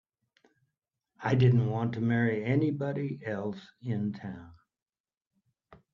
I didn't want to marry anybody else in town.